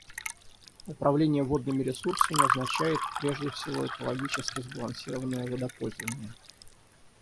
Управление водными ресурсами означает, прежде всего, экологически сбалансированное водопользование.